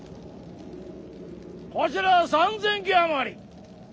こちらは３，０００騎余り。